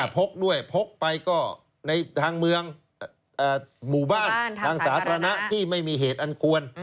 พกด้วยพกไปก็ในทางเมืองหมู่บ้านทางสาธารณะที่ไม่มีเหตุอันควร